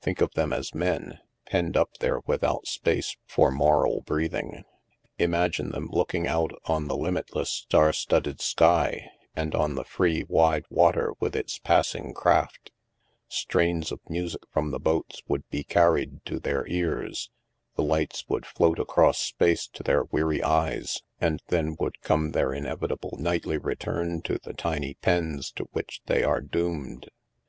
Think of them as men, penned 286 THE MASK up there without space for moral breathing. Im agine them looking out on the limitless, star studded sky, and on the free, wide water with its passing craft; strains of music from the boats w^ould be carried to their ears, the lights would float across space to their weary eyes, and then would come their inevitable nightly return to the tiny pens to which they are doomed.